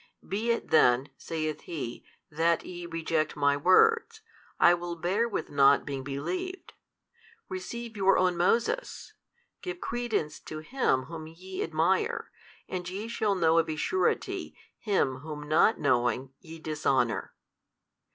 Be it then (saith He) that ye reject My words, I will bear with not being believed: receive your own Moses, give credence to him whom ye admire, and ye shall know of a surety Him whom not knowing ye dishonour.